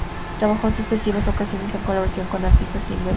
Trabajó en sucesivas ocasiones en colaboración con artistas hindúes.